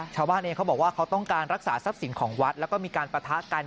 ชาวบ้านเองเขาบอกว่าเขาต้องการรักษาทรัพย์สินของวัดแล้วก็มีการปะทะกัน